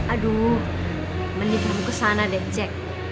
aduh mending kamu kesana deh cek